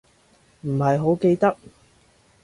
唔係好記得